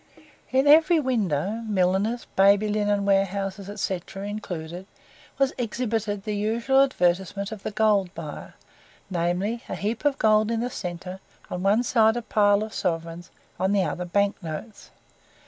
In every window milliners, baby linen warehouses, &c., included was exhibited the usual advertisement of the gold buyer namely, a heap of gold in the centre, on one side a pile of sovereigns, on the other bank notes.